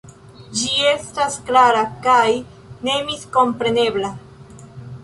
Ĝi estas klara kaj nemiskomprenebla.